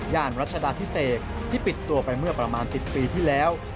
รัชดาพิเศษที่ปิดตัวไปเมื่อประมาณ๑๐ปีที่แล้ว